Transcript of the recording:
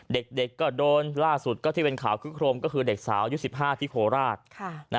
เด็กก็โดนล่าสุดก็ที่เป็นข่าวคึกโครมก็คือเด็กสาวยุค๑๕ที่โคราช